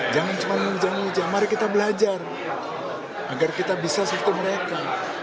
jangan cuma menunjang mari kita belajar agar kita bisa seperti mereka